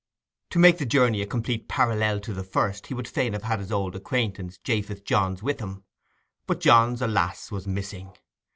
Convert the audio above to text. To make the journey a complete parallel to the first, he would fain have had his old acquaintance Japheth Johns with him. But Johns, alas! was missing.